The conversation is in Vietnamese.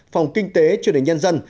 phòng kinh tế truyền hình nhân dân